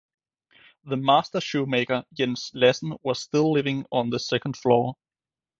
The master shoemaker Jens Lassen was still living on the second floor.